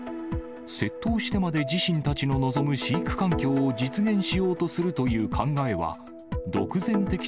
窃盗してまで自身たちの望む飼育環境を実現しようとするという考